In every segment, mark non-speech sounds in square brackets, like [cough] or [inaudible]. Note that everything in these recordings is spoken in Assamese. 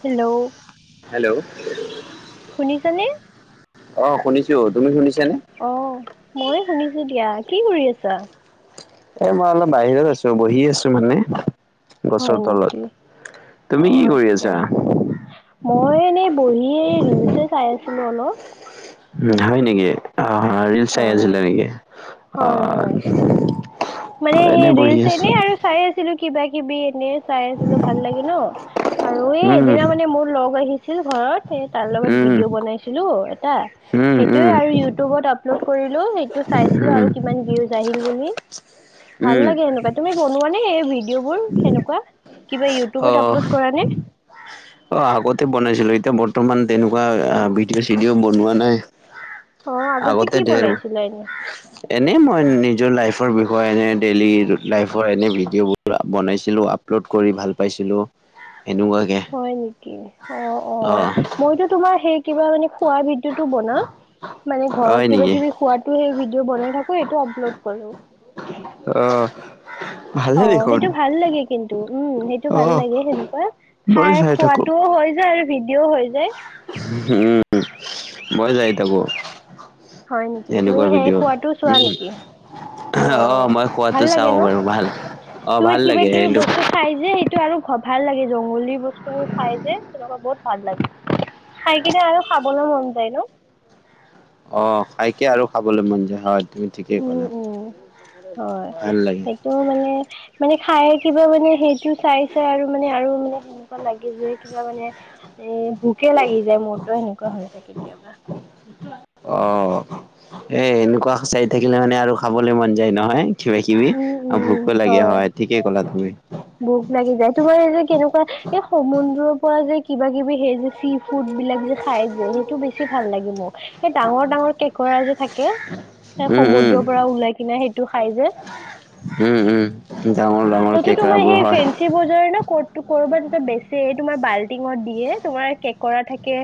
হেল্ল'? হেল্ল'? শুনিছানে? অ শুনিছো। তুমি শুনিছানে? অ' মই শুনিছো দিয়া, কি কৰি আছা? এ মই অলপ বাহিৰত আছো বহি আছো মানে। হয় গছৰ তলত, নেকি? অ তুমি কি কৰি আচ্ছা। আছা? মই এনেই বহি এই ৰিলচ চাই আছিলো অলপ। উ হয় নেকি, অ' ৰিল চাই হয়। আছিল নেকি? অ। হয় হয়। মানে মই এনে সেই বহি ৰিলচ আছো। এনে আৰু চাই আছিলো কিবা কিবি এনে। চাই আছিলো ভাল লাগে ন, আৰু এই উম সেইদিনা মানে মোৰ লগ আহিছিল ঘৰত তাৰ লগত উম ভিডিঅ বনাইছিলো এটা উম উম সেইটোয়ে আৰু ইউটিউবত আপলোড কৰিলো। টো চাইছিলো উম আৰু কিমান ভিউজ আহিল বুলি। ভাল উম লাগে সেনেকুৱা। তুমি বনোৱা নে এই ভিডিঅবোৰ সেনেকুৱা? কিবা অ ইউটউবত আপলোড কৰা নে? অ আগতে বনাইছিলো, এতিয়া বৰ্তমান তেনেকুৱা ভিডিঅ'-চিডিঅ' বনোৱা নাই। অ আগতে কি ধেৰ বনাইছিলা এনে এনেই মই নিজৰ লাইফৰ বিষয়ে এনে ডেইলি লাইফৰ এনে ভিডিঅ বনাইছিলো আপলোড কৰি ভাল পাইছিলো, এনেকুৱাকে। হয় নেকি? অ অ মইতো তোমাৰ সেই কিবা মানে খোৱাৰ ভিডিঅটো বনাও, মানে ঘৰত হয় কিবা নেকি? কিবি খোৱা ভিডিঅ' বনাই থাকো এইটো আপলোড কৰো। অ। অ সেইটো ভাল লাগে কিন্তু, উম সেইটো ভাল আহ লাগে সেনেকুৱা। ময়ো খাই চাই থাকো। খোৱাটোও হৈ যায় আৰু ভিডিও হৈ যায়। উম মই চাই থাকোঁ। হয় নেকি তুমি সেনেকুৱা সেই ভিডিঅ' খোৱাটো চোৱা উম। নেকি অ' মই খোৱাটো ভাল লাগে চাও ন বাৰু ভাল অ' তোমাৰ ভাল কিবা লাগে কিবি এইটো। বস্তু খাই যে সেইটো আৰু ভাল লাগে, জংগলী বস্তুবোৰ খাই যে তেনেকুৱা বহুত ভাল লাগে। খাই কিনে আৰু খাবলৈ মন যায় ন? অ' খাইকে আৰু খাবলৈ মন যায় হয়। তুমি ঠিকেই উম ক'লা, ভাল লাগে। টো মানে, মানে খাই কিবা মানে সেইটো চাই চাই আৰু মানে আৰু মানে সেনেকুৱা লাগি যে কিবা মানে এ ভোকে লাগি যায় মোৰতো সেনেকুৱা হৈ যায় কেতিয়াবা। অ' এ এনেকুৱা চাই থাকিলে মানে আৰু খাবলৈ মন যায় নহয় কিবা কিবি, উম আৰু উম ভোকো লাগে হয় ঠিকেই ক'লা তুমি। বোক লাগি যায়। তোমাৰ এই যে কেনেকুৱা এই সমুদ্ৰৰ পৰা যে কিবা কিবি সেই যে চিফ ফুড বিলাক যে খাই যে সেইটো বেছি ভাল লাগে মোক। এই ডাঙৰ ডাঙৰ কেকৰা যে থাকে। উম, উম, স-সমুদ্ৰৰ পৰা ওলাই কিনে সেইটো খাই যে। উম উম ডাঙৰ সেইটোত মই কেঁকৰাবোৰ হয় ফে বজৰে ন ক কৰবাত যে [unintelligible] বেচে তোমাৰ বাল্টিঙত দিয়ে, তোমাৰ কেকৰা থাকে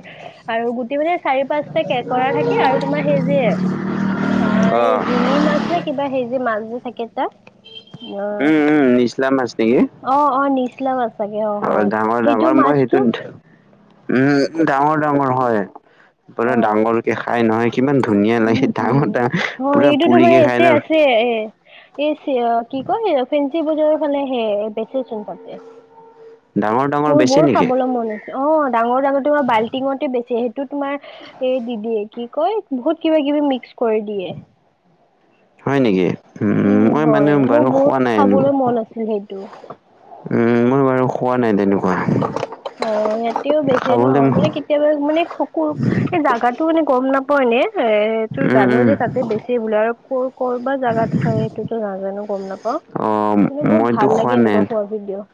আৰু গোটেই মানে চাৰি পাঁচটা কেঁকোৰা থাকে আৰু তোমাৰ সেইজ অ', এই জিঙি মাছ নে কিবা হেই যে মাছ যে থাকে তাত উম উম ইছলাম মাছ নেকি? অ অ নিচলা মাছ চাগে অ হয় ডাঙৰ সেইটো ডাঙৰ মই মাছটো সেইটো উম, ডাঙৰ ডাঙৰ হয়, অ সেইফালে ডাঙৰকে খাই নহয়। কিমান ধুনীয়া লাগে উম উম ডাঙৰ ডাঙৰ অ পুৰা এইটো তোমাৰ পুৰিকে খাই ন'। [unintelligible] এই চ কি কয় ফেঞ্চি বজাৰৰ ফালে হে বেচি চোন তাতে। ডাঙৰ ডাঙৰ মোৰ বেছি বৰ নেকি খাবলৈ মন আছে অ', ডাঙৰ ডাঙৰ তোমাৰ বাল্টিঙতে বেচে, সেইটো তোমাৰ এই দি দিয়ে কি কয়, বহুত কিবা কিবি মিক্স কৰি দিয়ে। হয়, নেকি উম, মই মানে হয় মোৰ বাৰু বহুত খোৱা নাই এনো। খাবলৈ মন আছিল সেইটো উম, মই বাৰু খোৱা নাই তেনেকুৱা। অ', ইয়াতেও বেছি ন' খাবলৈ মানে কেতিয়াবা মানে শকু এই জোগাটো মানে গ'ম নাপাও এনে এ টো উম জানো যে, উম তাতে বেছি বোলে আৰু ক'ৰ ক'ৰ বা জাগাত হয়, সেইটোতো নাজানো গ'ম নাপাও। অ কিন্তু বহুত মইতো ভাল খোৱা লাগে নাই এনেকুৱা খোৱা ভিডিঅ'।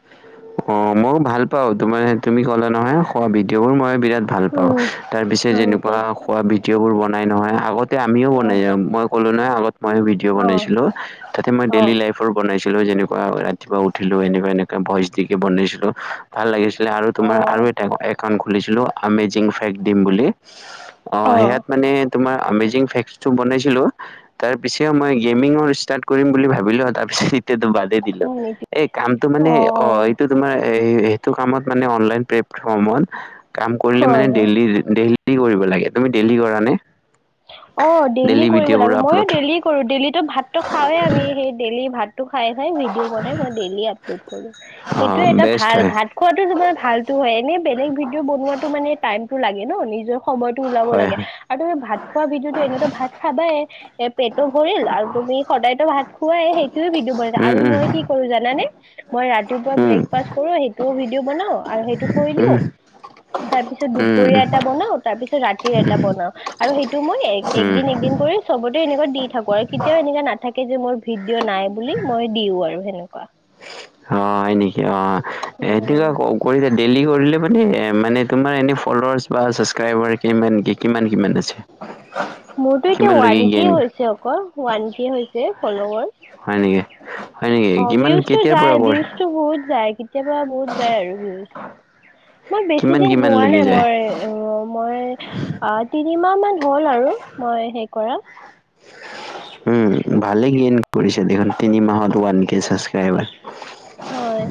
অ', মই ভাল পাওঁ তোমাৰ তুমি ক'লা নহয় খোৱা ভিডিঅ' বোৰ মই বিৰাত ভাল পাওঁ, উম। তাৰপিছত হয় যেনেকুৱা নেকি খোৱা ভিডিঅ'বোৰ বনাই নহয়। আগতে আমিও বনাই অ', মই ক'লো নহয় আগত মই ভিডি অ', বনাইছিলো, তাতে মই অ', ডেইলী লাইফ ৰ বনাইছিলো যেনেকুৱা ৰাতিপুৱা উঠিলো, এনেকুৱা এনেকুৱা ভইচ দিকে বনাইছিলো। ভাল লাগিছিলে আৰু তোমাৰ আৰু অ', এটা একাউণ্ট খুলিছিলো। আমেজিং ফেক্ট দিম বুলি, অ', সেয়াত মানে তোমাৰ আমেজিং ফেক্টো বনাইছিলো। তাৰ পিছে মই গেমিঙৰ ষ্টাৰ্ট কৰিম বুলি ভাবিলো, তাৰ পিছত টো বাদেই দিলো, হয় নেকি? এই কামটো অঁ মানে অঁ [unintelligible] সেইটো কামত মানে অনলাইন প্লেট ফ্ৰমত কাম কৰিলে মানে হয় হয় ডেইলী ডেইলী কৰিব লাগে, তুমি ডেইলি কৰা নে? অ', ডেইলি কৰিব ভিডিঅ'বোৰ লাগে, ময়ো আপলোড ডেইলি কৰোঁ ডেইলিটো ভাতো খাওে আমি, সেই ডেইলি ভাত খাই খাই ভিডিঅ' বনাই মই ডেইলী আপল'ড কৰোঁ, অ সইটো এটা বেষ্ট ভাল হয় ভাত খোৱাতো তোমাৰ ভালতো হয়, এনে বেলেগ ভিডিঅ' বনোৱাটো মানে টাইমটো লাগে ন' নিজৰ সময়টো ওলাব হয় লাগে হয় আৰু তুমি ভাত খোৱা ভিডিঅ'তো এনেতো ভাত খাবাই। এ পেটো ভৰিল আৰু তুমি সদায়তো ভাত খোৱাই,। সেইটোয়ে ভিডিঅ বনাই উম আৰু উম মই কি কৰোঁ জানা নে, মই ৰাতিৱা উম বব্ৰেকফাষ্ট কৰোঁ, সেইটো ভিডিঅ' বনাও আৰু সেইটো থৈ দিওঁ উম তাৰপিছ দুপৰীয়া উম উম এটা বনাও তাৰপিছত ৰাতি এটা বনাও, আৰু সেইটো মই একদিন উম একদিন কৰি চবতে এনেকুৱা দি থাকো আৰু কেতিয়াও এনেকা নাথাকে যে, মোৰ ভিডিঅ' নাই বুলি মই দিও আৰু সেনেকুৱা। হয়, নেকি অ', উম সেইটো ক কৰি ডেইলি কৰিলে মানে মানে তোমাৰ এনে ফল্লোৱাৰ্চ বা ছাব্ক্ৰাইবাৰ কিমান কি কিমান কিমান আছে? মোৰতো এতিয়া কিমান লৈকে ওৱান কে গেইন হৈছে অকল, ওৱান কে হৈছে ফল্লোৱাৰ্ছ। হয় নেকি, হয় নেকি? কিমান কেতিয়াৰ যাই পৰা কৰ ভিউজটো বহুত যায় কেতিয়াবা বহুত যায় আৰু ভিউজ। মই বেছি কিমান দিন কিমান হোৱা লৈকে নাই যায় মই অ', মই তিনিমাহ মান হ'ল আৰু মই হেই কৰা। উম, ভালে গেইন কৰিছে দেখোন, তিনি মাহত ওৱান কে চাবস্ক্ৰাইবাৰ। হয়।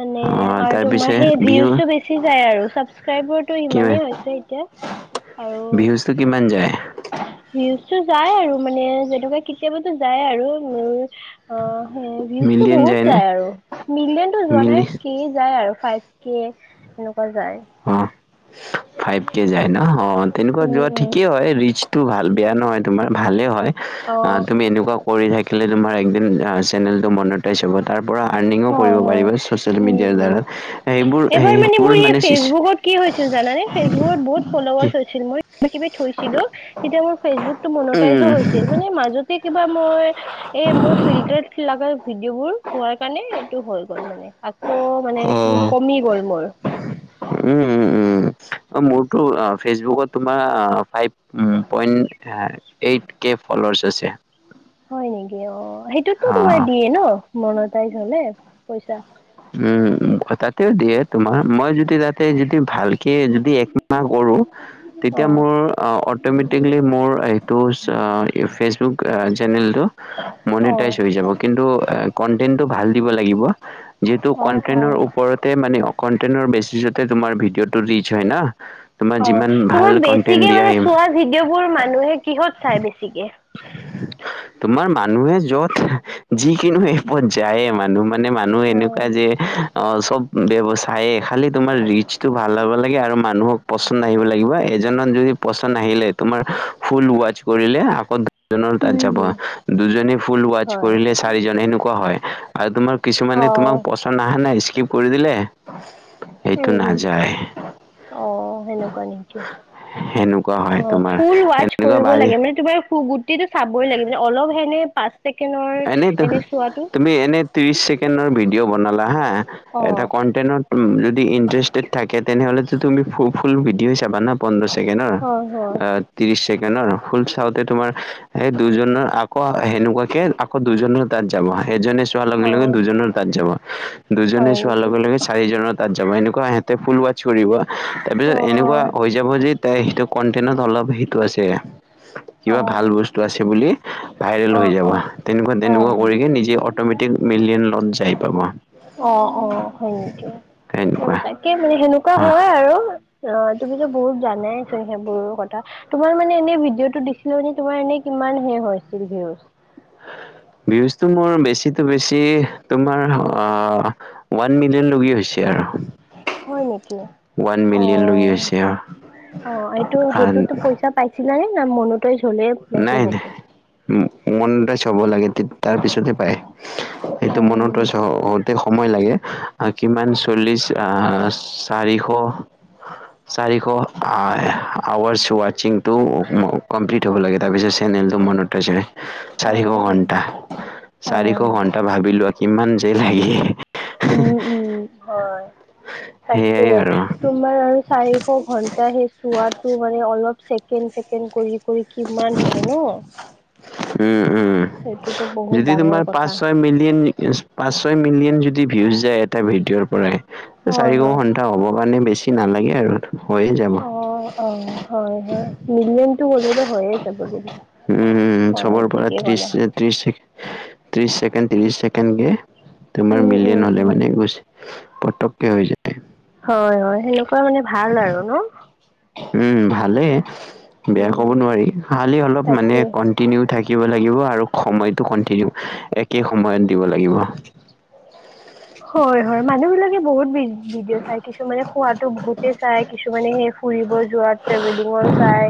মানে আৰু তাৰপিছে তোমাৰ সেই ভিউ ভিউজটো বেছি যায় আৰু ছাবস্ক্ৰাইবৰটো কিমান ইমানেই হৈছে এতিয়া। আৰু ভিউজটো কিমান যায়? ভউজটো যায় আৰু মানে যেনেকুৱা কেতিয়াবাটো যায় আৰু মোৰ অ সেই ভিউজটো মিলিয়ন বহুত যায়নে যায় আৰু মিলিয়নতো যোৱা নাই মিলি সেই যায় আৰু ফাইভ কি এনেকুৱা যায় অ ফাইভ কে যায় ন অ তেনেকুৱা যোৱা উম উম ঠিকেই হয় ৰিচ টো ভাল বেয়া নহয় তোমাৰ ভালেই হয় অ তুমি এনেকুৱা কৰি থাকিলে তোমাৰ একদিন চেনেলটো মনত তাৰ পৰা আৰ্নিঙো কৰিব হয় হয় পাৰিব চ'চিয়েল মিডিয়াৰ উম উম দ্বাৰা সেইবোৰ সেইবোৰ মানে চি চি বুকত কি হৈছিল জানানে ফেচবুকত বহুত ফলোৱাৰচ হৈছিল মই এক্টিভেট হৈছিলো তেতিয়া মোৰ ফেচবুকটো মনিতাইজ উম হৈছিল মানে মাজতে কিবা মই এই মোৰ ফিল্টাৰত লগা ভিডিঅ' বোৰ হোৱাৰ কাৰণে এইটো হৈ গ'ল মানে। আকৌ মানে অ কমি গ'ল মোৰ উম উম উম অ মোৰতো আ ফেচবুকত তোমাৰ আ ফাইভ পইন্ট আ এইট কে ফলোৱাৰ্চ আছে। হয় নেকি অ সেইটো তোমাৰ অ দিয়ে ন মনতাইজ হলে পইচা উম তাতেও দিয়ে তোমাৰ মই যদি তাতে যদি ভালকে যদি একমাহ কৰো তেতিয়া অ মোৰ অট'মেটিকেলি মোৰ এইটো ফেচবুক চেনেলটো অ মনেটাইজ হৈ যাব কিন্তু কনটেনটো ভাল দিব লাগিব। যিহেতু অ অ কন্টেইনৰ ওপৰতে মানে অ কণ্টেনৰ বেচিছতে তোমাৰ ভিডিঅ'টো ৰিজ হয় না তোমাৰ অ যিমান ভাল তোমাৰ কন্টেন্ট বেছিকে মানে দিয়া চোৱা ভিডিঅ'বোৰ মানুহে কিহত চাই বেছিকে তোমাৰ মানুহে য'ত যিকিনো এপত যায়ে মানুহ মানে নে মানুহ হয় এনেকুৱাই যে অ চব ব্যৱচায়ে কালি তোমাৰ ৰিচটো ভাল হ'ব লাগে আৰু মানুহক পচন্দ আহিব লাগিব এজনৰ যদি পচন্দ আহিলে তোমাৰ ফুল ৱাছ কৰিলে আগত জনৰ তাত উম যাব হম দুজনে ফুল ৱাচ হয় কৰিলে চাৰিজন এনেকুৱা হয় আৰু তোমাৰ কিছুমানে তোমাক অ পচন্দ অহা নাই স্কিপ কৰি দিলে সেইটো উম উম নাযায় অ সেনেকুৱা নেকি, সেনেকুৱা অ হয় তোমাৰ ফুল ৱাচ এনেকুৱা কৰিব বাৰী লাগে মানে তোমাৰ ফু বো ইটো চাবই লাগে মানে অলপ হেনে পাচ এনে ধৰ তুমি এনে ত্ৰিশ ছেকেণ্ডৰ ভিডিঅ' বনালা হা অ এটা কণ্টেনত যদি ইন্টাৰেষ্টেড থাকে তেনেহ'লেতো তুমি ফু ফুল ভিডিঅ' চাবা না পোন্ধৰ ছেকেণ্ডৰ হয় হয় ত্ৰিশ ছেকেণ্ডৰ ফুল চাওঁতে তোমাৰ এই দুজনৰ আকৌ সেনেকুৱাকে আকৌ দুজনৰ তাত যাব এজনে চোৱাৰ লগে অ লগে দুজনৰ তাঁত যাব দুজনে হয় চোৱাৰ নেকি লগে লগে চাৰিজনৰ তাত যাব এনেকুৱা সিহঁতে ফুল ৱাছ কৰিব। অ তাৰপিছত এনেকুৱা হৈ যাব যে তাই সেইটো কন্টেনত অলপ সেইটো আছে অ অ কিবা ভাল বস্তু আছে বুলি ভাইৰেল অ হৈ যাব তেনেকুৱা অ তেনেকুৱা অ কৰিকে নিজে অট'মেটিক মিলিয়ন লত যাই পাব অ অ হয় নেকি সেনেকুৱা তাকে মানে সেনেকুৱা হয় আৰু অ তুমিতো বহুত জানাই চোন সেইবোৰ কথা তোমাৰ মানে এনে ভিডিঅ' তটো দিছিলো নে তোমাৰ এনে কিমান হে হৈ ভউজ ভিয়িউজটো মোৰ বেছিত বেছি তোমাৰ আহ ওৱান মিলিয়ন লৈকে হৈছে আৰু হয় নেকি? ওৱান অ মিলিয়ন লগি হৈছে আৰু অ এইটো সেইটোতো পইচা পাই [unintelligible] না মনোতাইজ হলে সেইটো হব। ম মনোটাইজ হব লাগে তাৰ পিছত হে পায়। অ সেইটো মনোটাইজ হ হ‌ওতে সময় লাগে, কিমান চল্লিশ চাৰিশ চাৰিশ আৱাচ ৱাচিং টো কমপ্লিট হব লাগে তাৰপিছত চেনেলটো মনোটাইজ হয়। অ চাৰিশ অ ঘন্টা অ চাৰিশ ঘণ্টা ভাবিলোৱা কিমান যে লাগি উম উম হয়, তাকে সেইয়াই আৰু তোমাৰ আৰু চাৰিশ ঘন্টা হে চোৱাতটো মানে অলপ চেকেণ্ড চেক কেণ্ড কৰি কৰি কিমান হব ন উম উম। সেইটোতো বহুত যদি ডাঙৰ তোমাৰ পাঁচ কথা ছয় মিলিয়ন পাঁচ ছয় মিলিয়ন যদি ভিউজ যায় এটা ভিডিঅ'ৰ পৰাই। হয় চাৰিশ হয় ঘন্টা হব কাৰণে বেছি নালাগে আৰু হৈয়ে যাব। অ অ হয় হয় মিলিয়নটো হলেতো হৈয়ে যাব যেনেকে। উম উম চবৰ পৰা ত্ৰিশ ত্ৰিশ ত্ৰিশ ছেকেণ্ড ত্ৰিশ ছেকেণ্ড কে তোমাৰ উম উম মিলিয়ন হলে উম মানে গুছ পতককে হৈ যায়। হয় হয় সেনেকুৱা মানে ভাল আৰু ন। উম ভালেই, বেয়া উম ক'ব নোৱাৰি খালি অলপ মানে তাকে কন টিনিউ থাকিব লাগিব আৰু সময়টো কন্টিনিউ একে সময়ত দিব লাগিব। হয় হয় মানুহ বিলাকে বহুত ভি ভিডিঅ' চাই কিছুমানে খোৱাতো বহুতেই চাই কিছুমানে সেই ফুৰিব যোৱা ট্ৰেভেলিঙৰ চাই।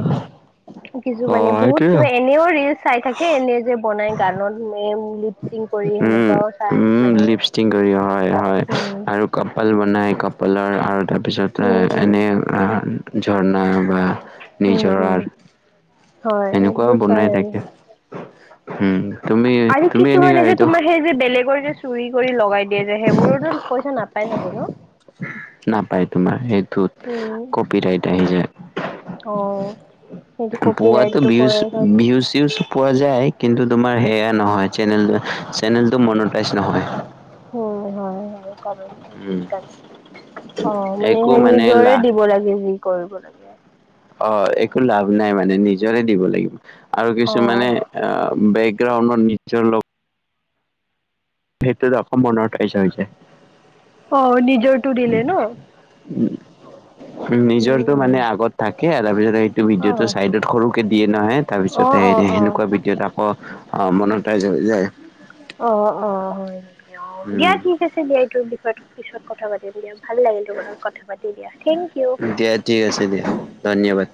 [unintelligible] কিছু মানে বহুত সেইটোৱে কিবা এনেও ৰিলচ চাই থাকে এনে যে বনাই গানত মেম লোত চিং কৰি সেনেকুৱাও চাই মানুহে। চিং কৰি হয় হয় উম আৰু কপাল বনাই কপ পলৰ আৰু তাৰপিছত উম উম এনে ঝৰ্ণা বা উম উম নিজৰাৰ হয় এনেকুৱাও এইবোৰ বনাই চাই আৰু। থাকে উম তুমি আৰু তুমি এনেকা কিছুমানে যে এইটো তোমাৰ সেই যে বেলেগৰ যে চুৰি কৰি লগাই দিয়ে যে সেইবোৰতো পইচা নাপাই চাগে ন? নাপায় তোমাৰ সেইটোত উম কপি ৰাইট আহি যায়। অ সেইটো কপিৰাইট ভিউছ বি ভিউছ-চিউছ পোৱা যায়, কিন্তু তোমাৰ সেয়া নহয় চেনেল চেনেলটো মনোটাইজ নহয়। হু হয় সেনেকুৱা মানে উম সেইকাৰণে, অ মানে একো সেই নিজৰে লা দিব লাগে যি কৰিব লাগে। অ একো লাভ নাই মানে নিজৰে দিব লাগিব আৰু কিছুমানে অ বেকগ্ৰাউণ্ডৰ নিশ্চয় লগ সেইটোতো অসম বন্ধত আহিছে আহিছে অ নিজৰটো দিলে ন? উম, উম নিজৰটো উম মানে আগত থাকে তাৰপিছত সেইটো অ ভিডিঅ'টো চাইডত সৰুকে দিয়ে নহয়, তাৰ অ পিছত অ অ সেনেকুৱা ভিডিঅত আকৌ অ মনোটাইজ হৈ যায়। অ অ হয় নেকি? অ দিয়া উম ঠি ঠিক আছে দিয়া এইটোৰ বিষয়ত পিছত কথা পাতিম দিয়া ভাল লাগিল তোৰ লগত কথা পাতি দিয়া। থেংক ইউ দিয়া ঠিক আছে দিয়া ধন্যবাদ।